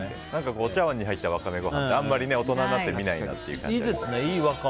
お茶わんに入ったワカメご飯ってあんまり大人になって見ないなっていう感じで。